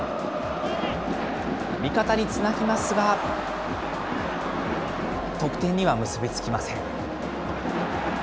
味方につなぎますが、得点には結び付きません。